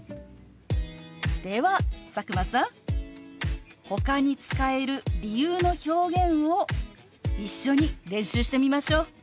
では佐久間さんほかに使える理由の表現を一緒に練習してみましょう。